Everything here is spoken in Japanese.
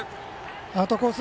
アウトコース